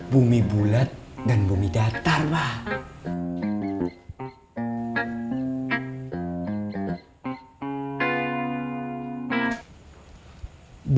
bumi bulet dan bumi datar mbah